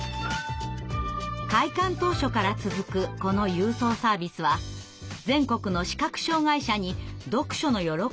開館当初から続くこの郵送サービスは全国の視覚障害者に読書の喜びを届けてきました。